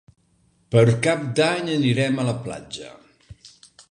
Per Cap d'Any anirem a la platja.